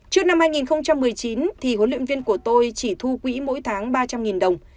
trước năm hai nghìn một mươi chín huấn luyện viên của tôi chỉ thu quỹ mỗi tháng ba trăm linh đồng